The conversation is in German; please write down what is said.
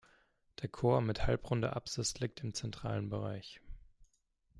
Der Chor mit halbrunder Apsis liegt im zentralen Bereich.